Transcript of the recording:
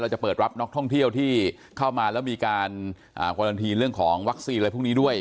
จะเปิดรับนักท่องเที่ยวที่เข้ามาแล้วมีการวารันทีนเรื่องของวัคซีนอะไรพวกนี้ด้วย